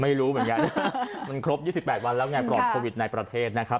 ไม่รู้เหมือนกันมันครบ๒๘วันแล้วไงปลอดโควิดในประเทศนะครับ